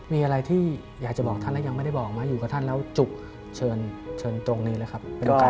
มีอะไรที่อยากจะบอกท่านและยังไม่ได้บอกไหมอยู่กับท่านแล้วจุกเชิญเชิญตรงนี้เลยครับ